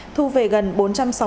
thu về gần bốn trăm sáu mươi tấn